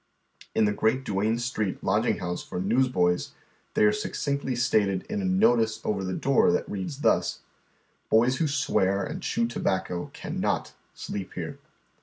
In the great Diiane Street lodging house for newsboys, they are succinctly stated in a " no tice " over the door tliat reads thus :" Boys who swear and chew tobacco cannot sleep here."